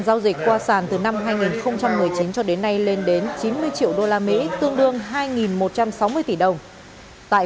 giao dịch qua sàn từ năm hai nghìn một mươi chín cho đến nay lên đến chín mươi triệu đô la mỹ tương đương hai một trăm sáu mươi tỷ đồng tại